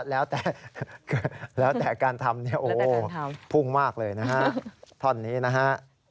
แล้วแต่แล้วแต่การทำเนี่ยโอ้โหพุ่งมากเลยนะฮะท่อนนี้นะฮะ